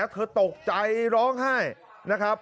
เธอตกใจร้องไห้นะครับ